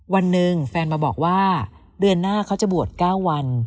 วันหนึ่งแฟนมาบอกว่าเดือนหน้าเขาจะบวช๙วัน